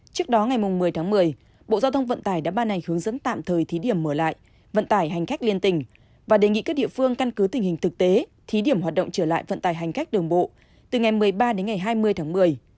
trước đó ngày một mươi tháng một mươi bộ giao thông vận tải đã ban hành hướng dẫn tạm thời thí điểm mở lại vận tải hành khách liên tỉnh và đề nghị các địa phương căn cứ tình hình thực tế thí điểm hoạt động trở lại vận tài hành khách đường bộ từ ngày một mươi ba đến ngày hai mươi tháng một mươi